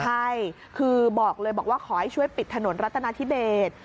ใช่คือบอกเลยบอกว่าขอให้ช่วยปิดถนนรัฐนาธิเบส